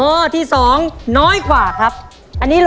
แล้ววันนี้ผมมีสิ่งหนึ่งนะครับเป็นตัวแทนกำลังใจจากผมเล็กน้อยครับ